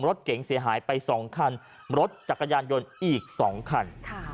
รถเก๋งเสียหายไป๒คันรถจักรยานยนต์อีก๒คัน